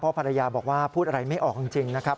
ภรรยาบอกว่าพูดอะไรไม่ออกจริงนะครับ